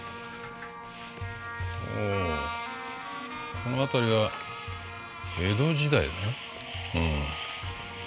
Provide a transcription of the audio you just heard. おこの辺りは江戸時代だな。